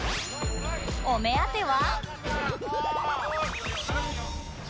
お目当ては